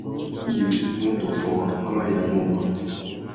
Indi wissú tunu tu fôwa, wa mà yāna uguá.